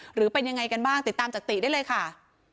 หรือเป็นยังไงกันบ้างติดตามจากติได้เลยค่ะ